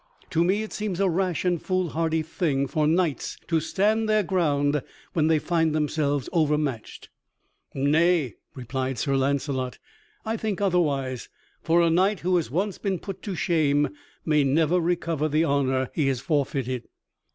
To me it seems a rash and foolhardy thing for knights to stand their ground when they find themselves overmatched." "Nay," replied Sir Launcelot, "I think otherwise; for a knight who has once been put to shame may never recover the honor he has forfeited."